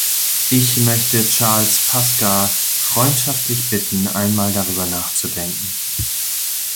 Ich möchte Charles Pasqua freundschaftlich bitten, einmal darüber nachzudenken.